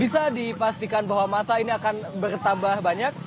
bisa dipastikan bahwa masa ini akan bertambah banyak